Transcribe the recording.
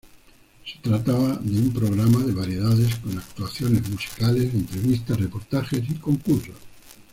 Se trataba de un programa de variedades con actuaciones musicales, entrevistas, reportajes y concursos.